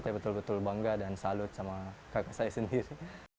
saya betul betul bangga dan salut sama kakak saya sendiri